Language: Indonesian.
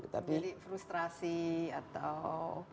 jadi frustrasi atau